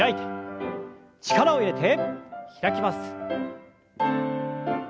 力を入れて開きます。